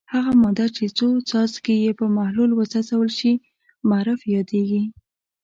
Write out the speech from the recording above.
هغه ماده چې څو څاڅکي یې په محلول وڅڅول شي معرف یادیږي.